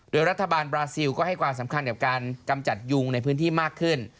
โดยรัฐบาลบราซิลก็ให้ความสำคัญกับการกำจัดยุงในพื้นที่มากขึ้น